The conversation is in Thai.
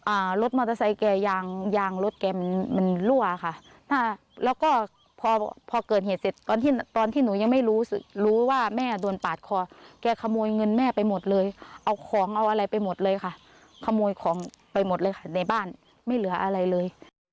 รถมอเตอร์ไซค์แกยางยางรถแกมันมันรั่วค่ะอ่าแล้วก็พอพอเกิดเหตุเสร็จตอนที่ตอนที่หนูยังไม่รู้รู้ว่าแม่โดนปาดคอแกขโมยเงินแม่ไปหมดเลยเอาของเอาอะไรไปหมดเลยค่ะขโมยของไปหมดเลยค่ะในบ้านไม่เหลืออะไรเลย